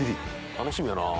楽しみやなぁ。